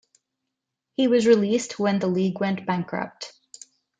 He was released when the league went bankrupt.